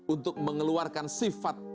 untuk mengeluarkan sifat